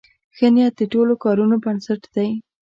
ښه نیت د ټولو کارونو بنسټ دی.